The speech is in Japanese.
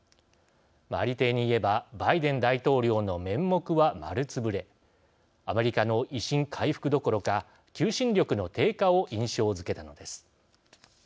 ありていに言えばバイデン大統領の面目は丸つぶれアメリカの威信回復どころか求心力の低下を印象づけたのです。